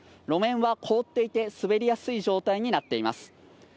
路面が凍っていて滑りやすい状態になっています。